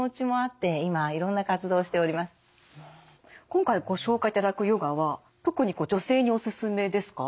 今回ご紹介いただくヨガは特に女性にお勧めですか？